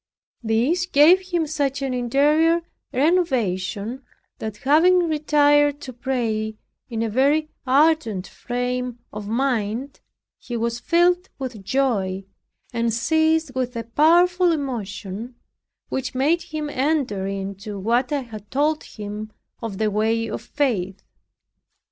This gave him such an interior renovation, that having retired to pray, in a very ardent frame of mind, he was filled with joy, and seized with a powerful emotion, which made him enter into what I had told him of the way of faith.